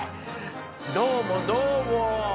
どうもどうも！